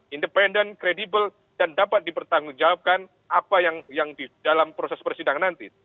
independen kredibel dan dapat dipertanggungjawabkan apa yang di dalam proses persidangan nanti